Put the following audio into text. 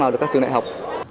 sau đó được các trường đại học